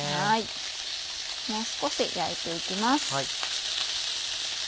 もう少し焼いて行きます。